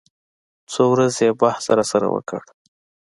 څو ورځې يې بحث راسره وکو.